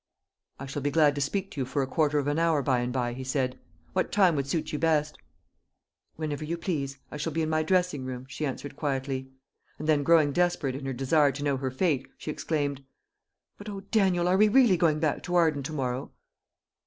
"I shall be glad to speak to you for a quarter of an hour, by and by," he said. "What time would suit you best?" "Whenever you please. I shall be in my dressing room," she answered quietly; and then, growing desperate in her desire to know her fate, she exclaimed, "But O, Daniel, are we really to go back to Arden to morrow?"